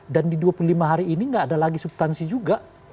dan di dua puluh lima hari ini gak ada lagi subtansi juga